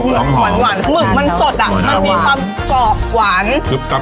หวานหวานมึกมันสดอ่ะเพราะมันมีความเกาะ